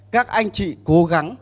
các anh chị cố gắng